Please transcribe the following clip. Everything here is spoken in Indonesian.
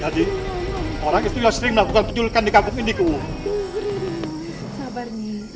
jadi orang itu yang sering melakukan kejulukan di kampung ini kum